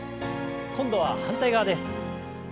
今度は反対側です。